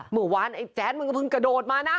หมู่วานแจ๊ดมึงก็เพิ่งกระโดดมานะ